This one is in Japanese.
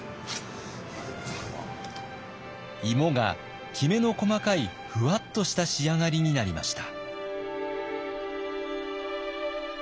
芋がきめの細かいふわっとした仕上がりになりました。